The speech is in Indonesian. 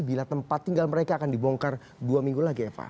bila tempat tinggal mereka akan dibongkar dua minggu lagi eva